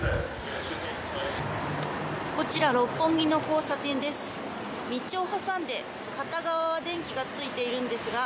こちら六本木の交差点です。